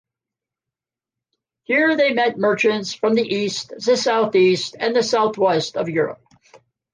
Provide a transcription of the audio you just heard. Here they met merchants from the east, the southeast and the southwest of Europe.